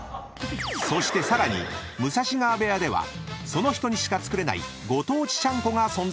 ［そしてさらに武蔵川部屋ではその人にしか作れないご当地ちゃんこが存在］